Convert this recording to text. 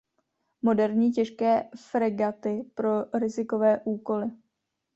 Moderní těžké fregaty pro rizikové úkoly.